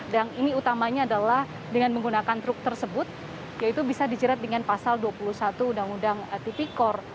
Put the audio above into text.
dan ini utamanya adalah dengan menggunakan truk tersebut yaitu bisa dicerit dengan pasal dua puluh satu uu tipikor